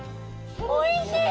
おいしい！